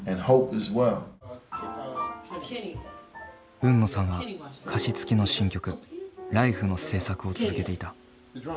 海野さんは歌詞つきの新曲「Ｌｉｆｅ」の制作を続けていた。